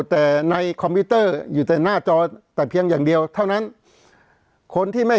แต่ในคอมพิวเตอร์อยู่แต่หน้าจอแต่เพียงอย่างเดียวเท่านั้นคนที่ไม่